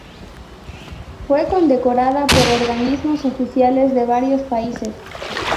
Fue condecorada por organismos oficiales de varios países.